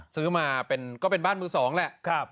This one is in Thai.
ซื้อมาก็เป็นบ้านมือสองแหละ